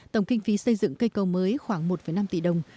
tổng kinh phí xây dựng cây cầu mới khoảng một năm tỷ đồng